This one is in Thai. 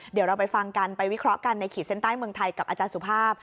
เดี๋ยวเราไปฟังกันไปวิเคราะห์กันในขีดเส้นใต้เมืองไทยกับอาจารย์สุภาพ